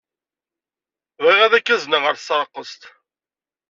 Bɣiɣ ad k-azneɣ ɣer tesreqqest.